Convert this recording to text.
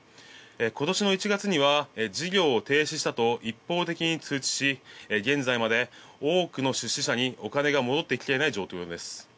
今年の１月には事業を停止したと一方的に通知し現在まで多くの出資者にお金が戻ってきていない状況です。